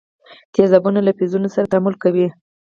تیزابونه له فلزونو سره تعامل کوي.